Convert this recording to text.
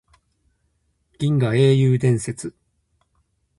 銀河英雄伝説